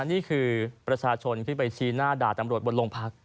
นี่คือประชาชนที่ไปชีหน้าด่าประชาชนบนโรงพักษณ์